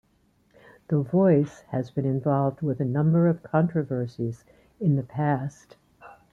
"The Voice" has been involved with a number of controversies in the past.